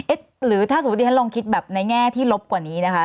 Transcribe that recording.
หรือถ้าสมมุติฉันลองคิดแบบในแง่ที่ลบกว่านี้นะคะ